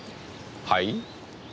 はい？